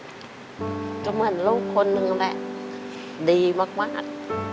ก็เหมือนลูกคนนึงแหละดีมาก